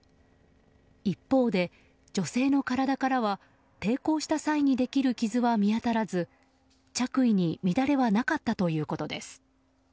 一方で女性の体からは抵抗した際にできる傷は見当たらず着衣に乱れはなかったということです。